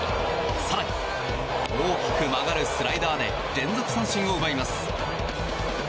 更に、大きく曲がるスライダーで連続三振を奪います。